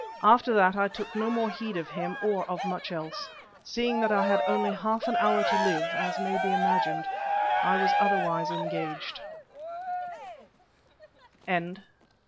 After that I took no more heed of him or of much else. Seeing that I had only half an hour to live, as may be imagined, I was otherwise engaged.